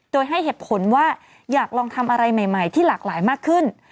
โดยให้เหตุผลว่าอยากลองทำอะไรใหม่ที่หลากหลายมากขึ้น